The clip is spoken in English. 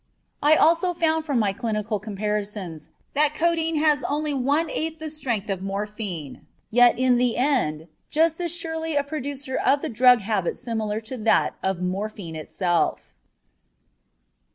I also found from my clinical comparisons that codeine has only one eighth the strength of morphine, yet in the end just as surely a producer of the drug habit similar to that of morphine itself.